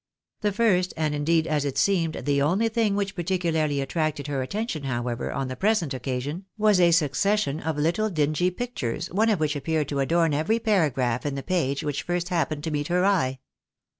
The first, and indeed as it seemed, the only thing which particularly attracted her attention, however, on the present occasion, was a succession of little dingy pictures, one of which appeared to adorn every paragraph in the page which first happened to meet her eye.